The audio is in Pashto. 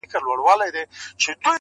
• کورنۍ دننه جګړه روانه ده تل..